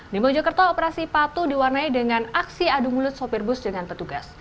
di mojokerto operasi patu diwarnai dengan aksi adu mulut sopir bus dengan petugas